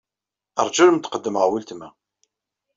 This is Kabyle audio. Ṛju ad am-d-qeddmeɣ weltma.